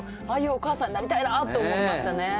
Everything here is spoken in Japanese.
ああいうお母さんになりたいなと思いましたね。